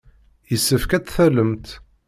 Yessefk ad tt-tallemt.